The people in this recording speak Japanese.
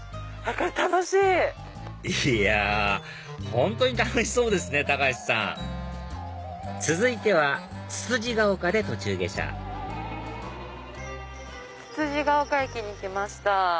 本当に楽しそうですね高橋さん続いてはつつじヶ丘で途中下車つつじヶ丘駅に来ました。